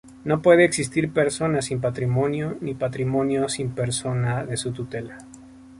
No puede existir persona sin patrimonio, ni patrimonio sin persona de su tutela.